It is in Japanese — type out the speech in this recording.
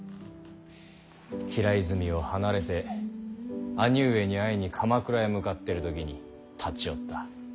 平泉を離れて兄上に会いに鎌倉へ向かってる時に立ち寄った。